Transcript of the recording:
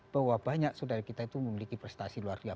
bahwa banyak saudara kita itu memiliki prestasi luar biasa